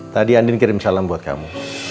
tadi andin kirim salam buat kamu